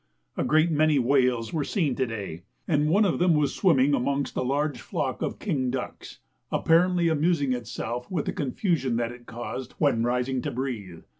A great many whales were seen to day, and one of them was swimming amongst a large flock of king ducks, apparently amusing itself with the confusion that it caused when rising to breathe.